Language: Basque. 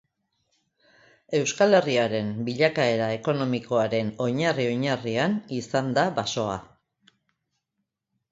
Euskal Herriaren bilakaera ekonomikoaren oinarri-oinarrian izan da basoa.